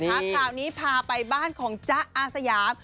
ข่าวนี้พาไปบ้านของจ๊ะอาสยาม